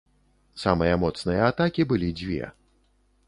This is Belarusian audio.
Самыя моцныя атакі былі дзве.